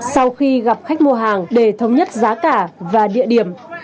sau khi gặp khách mua hàng để thống nhất giá cả và địa điểm